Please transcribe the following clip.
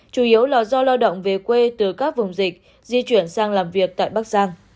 chủ yếu là do lao động về quê từ các vùng dịch di chuyển sang làm việc tại bắc giang